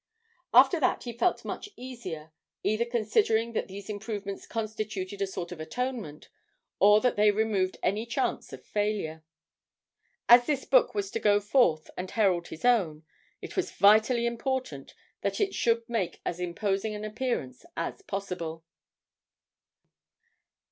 After that he felt much easier; either considering that these improvements constituted a sort of atonement, or that they removed any chance of failure. As this book was to go forth and herald his own, it was vitally important that it should make as imposing an appearance as possible.